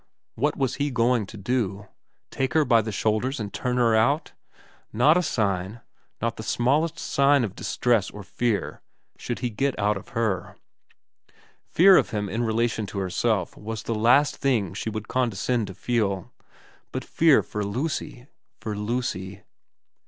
What was he going to do ? Take her by the shoulders and turn her out ? Not a sign, not the smallest sign of distress or fear should he 358 VERA get out of her. Fear of him in relation to herself was the last thing she would condescend to feel, but fear for Lucy for Lucy.